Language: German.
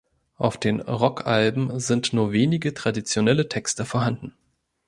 Auf den Rockalben sind nur wenige traditionelle Texte vorhanden.